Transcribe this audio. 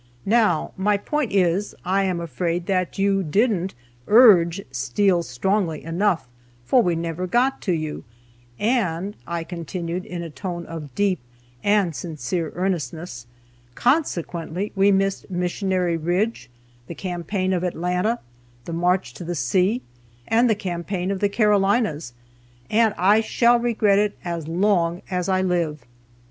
Now my point is, I am afraid that you didn't 'urge' Steele strongly enough, for we never got to you, and," I continued (in a tone of deep and sincere earnestness), "consequently we missed Missionary Ridge, the campaign of Atlanta, the March to the Sea, and the campaign of the Carolinas, and I shall regret it as long as I live!"